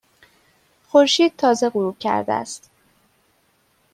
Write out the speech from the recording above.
خورشید تازه غروب کرده است.